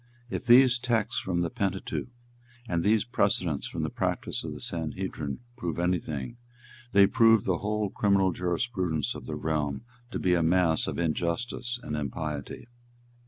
If these texts from the Pentateuch and these precedents from the practice of the Sanhedrim prove any thing, they prove the whole criminal jurisprudence of the realm to be a mass of injustice and impiety.